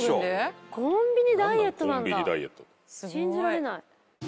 信じられない。